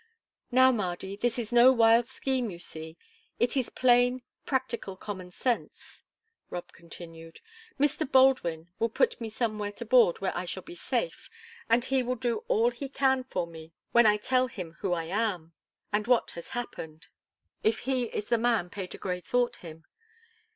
"Now, Mardy, this is no wild scheme, you see; it is plain, practical common sense," Rob continued. "Mr. Baldwin will put me somewhere to board where I shall be safe, and he will do all he can for me when I tell him who I am, and what has happened, if he is the man Patergrey thought him.